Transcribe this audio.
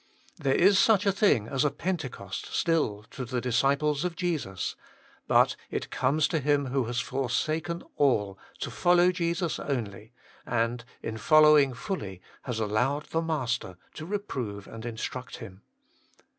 There is such a thing as a Pentecost still to the disciples of Jesus ; but it comes to him who has forsaken all to follow Jesus only, and in following fully has allowed the Master to reprove and instruct him.